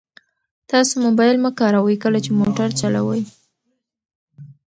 تاسو موبایل مه کاروئ کله چې موټر چلوئ.